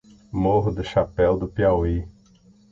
Morro do Chapéu do Piauí